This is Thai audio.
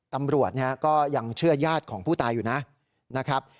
ตำรวจก็ยังเชื่อญาติของผู้ตายอยู่นะครับ